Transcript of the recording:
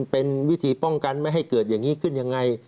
เป็นวิธีป้องกันไม่ให้เกิดอย่างนี้ขึ้นยังไง